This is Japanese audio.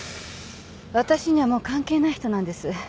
私にはもう関係ない人なんです。